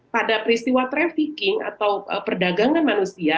pada peristiwa trafficking atau perdagangan manusia